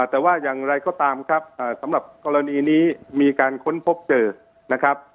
แต่ว่าอย่างไรก็ตามครับสำหรับกรณีนี้มีการค้นพบเจอนะครับ